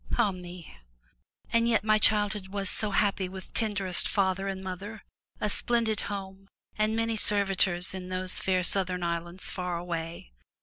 Ah me! And yet my childhood was so happy with tenderest father and mother, a splendid home and many servitors in those fair southern islands far away.